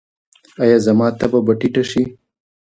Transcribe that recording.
ایا زما تبه به ټیټه شي؟